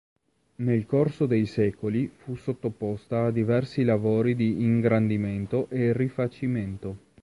Nel corso dei secoli fu sottoposta a diversi lavori di ingrandimento e rifacimento.